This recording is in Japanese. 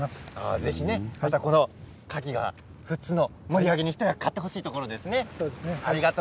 ぜひカキが富津の盛り上げに一役買ってほしいところですね。